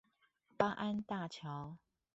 八安大橋